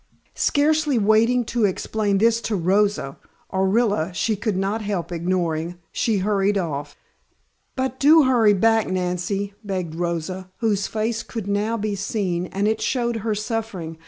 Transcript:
Scarcely waiting to explain this to Rosa Orilla she could not help ignoring she hurried off. "But do hurry back, Nancy," begged Rosa, whose face could now be seen and it showed her suffering.